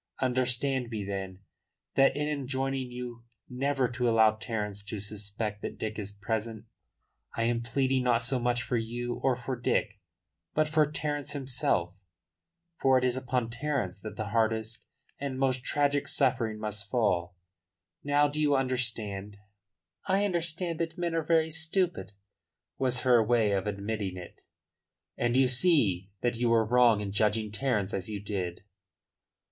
Understand me, then, that in enjoining you never to allow Terence to suspect that Dick is present, I am pleading not so much for you or for Dick, but for Terence himself for it is upon Terence that the hardest and most tragic suffering must fall. Now do you understand?" "I understand that men are very stupid," was her way of admitting it. "And you see that you were wrong in judging Terence as you did?"